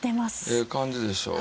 ええ感じでしょう。